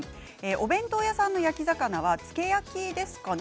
お弁当屋さんの焼き魚は漬け焼きですかね。